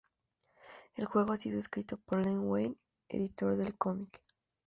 El juego ha sido escrito por Len Wein, editor del cómic.